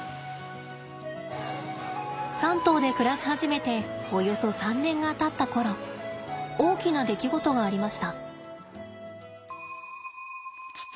３頭で暮らし始めておよそ３年がたった頃大きな出来事がありました。